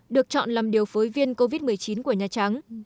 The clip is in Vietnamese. được chọn làm điều phối viên covid một mươi chín của nhà trắng